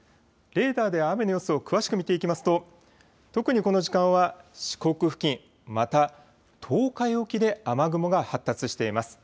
レーダーで雨の予想を詳しく見ていきますと特にこの時間は四国付近、また東海沖で雨雲が発達しています。